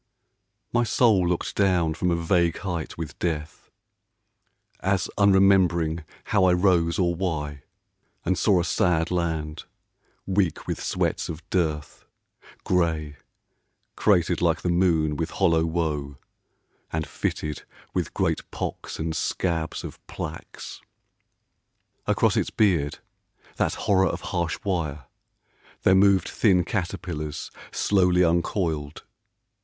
MY soul looked down from a vague height with Death, As unremembering how I rose or why, And saw a sad land, weak with sweats of dearth, Gray, cratered like the moon with hollow woe, And fitted with great pocks and scabs of plaques. Across its beard, that horror of harsh wire, There moved thin caterpillars, slowly uncoiled.